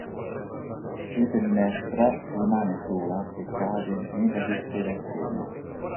Clitennestra rimane sola e cade nella disperazione.